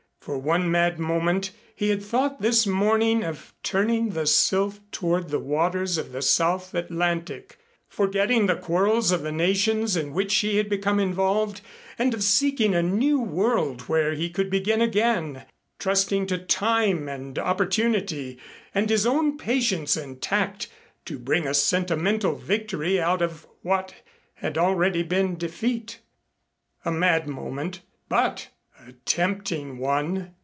For one mad moment, he had thought this morning of turning the Sylph toward the waters of the South Atlantic, forgetting the quarrels of the nations in which he had become involved, and of seeking a new world where he could begin again, trusting to time and opportunity and his own patience and tact to bring a sentimental victory out of what had already been defeat. A mad moment but a tempting one.